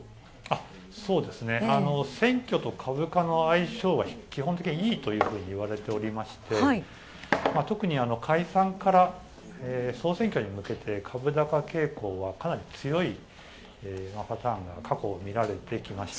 選挙と株価の相性は基本的にいいというふうにいわれておりまして特に解散から総選挙に向けて株高傾向はかなり強いパターンが過去、みられてきました。